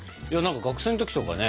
学生の時とかね